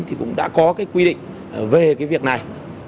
thì cũng đã có cái quy định về cái việc này